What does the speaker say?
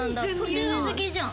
年上好きじゃん。